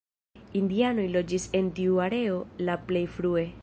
Indianoj loĝis en tiu areo la plej frue.